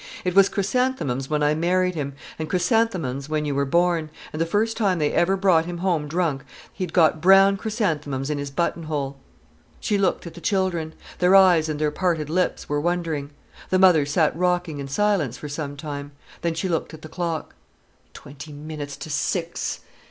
It was chrysanthemums when I married him, and chrysanthemums when you were born, and the first time they ever brought him home drunk, he'd got brown chrysanthemums in his button hole." She looked at the children. Their eyes and their parted lips were wondering. The mother sat rocking in silence for some time. Then she looked at the clock. "Twenty minutes to six!"